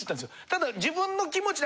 ただ自分の気持ち